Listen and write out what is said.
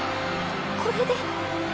これで。